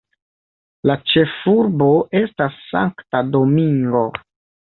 La ĉefurbo estas Sankta Domingo.